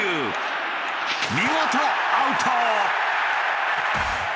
見事アウト！